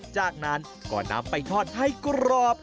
จากนั้นก็นำไปทอดให้กรอบ